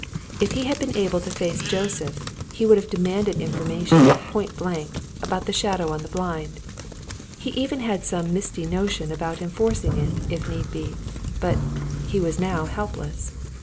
If he had been able to face Joseph, he would have demanded information, point blank, about the shadow on the blind; he even had some misty notion about enforcing it, if need be. But he was now helpless.